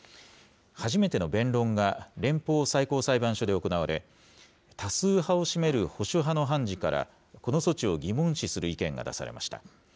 初めての弁論が連邦最高裁判所で行われ、多数派を占める保守派の判事から、この措置を疑問視する意見が出されました。